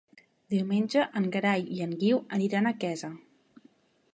Diumenge en Gerai i en Guiu aniran a Quesa.